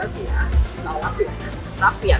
สวัสดีทุกคน